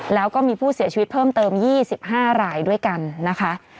แล้วก็มีผู้เสียชีวิตเพิ่มเติม๒๕รายด้วยกันนะคะ